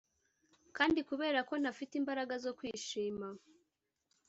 kandi kubera ko ntafite imbaraga zo kwishima